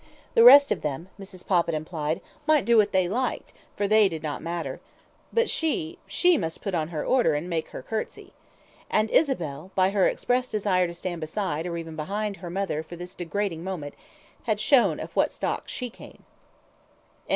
The rest of them, Mrs. Poppit implied, might do what they liked, for they did not matter; but she she must put on her Order and make her curtsy. And Isabel, by her expressed desire to stand beside, or even behind, her mother for this degrading moment had showed of what stock she came. Mrs.